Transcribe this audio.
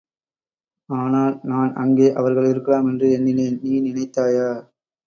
ஆனால் நான் அங்கே அவர்கள் இருக்கலாமென்று எண்ணினேன். நீ நினைத்தாயா?